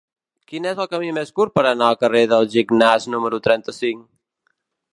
Quin és el camí més curt per anar al carrer d'en Gignàs número trenta-cinc?